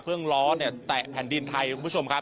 ล้อเนี่ยแตะแผ่นดินไทยคุณผู้ชมครับ